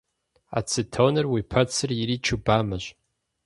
Ацетоныр уи пэцыр иричу бамэщ.